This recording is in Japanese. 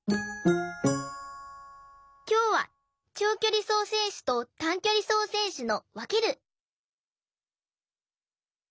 きょうは長距離走選手と短距離走選手のわける！